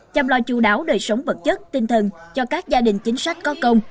chăm lo chú đáo đời sống vật chất tinh thần cho các gia đình chính sách có công